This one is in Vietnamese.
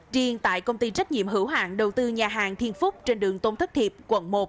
riêng tại công ty trách nhiệm hữu hạng đầu tư nhà hàng thiên phúc trên đường tôn thất hiệp quận một